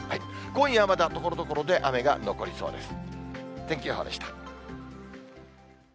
今夜はまだ、ところどころで雨が残りそうです。